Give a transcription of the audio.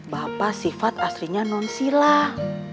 bapak sifat aslinya non silah